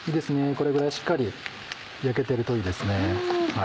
これくらいしっかり焼けてるといいですね。